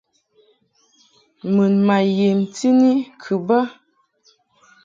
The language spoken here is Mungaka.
Mun ma yemti ni kɨ bə.